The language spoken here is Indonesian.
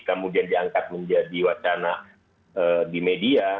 kemudian diangkat menjadi wacana di media